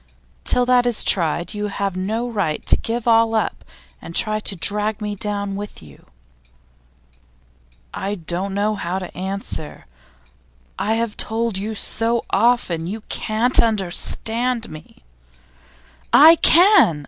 Till that is tried, you have no right to give all up and try to drag me down with you.' 'I don't know how to answer. I have told you so often You can't understand me!' 'I can!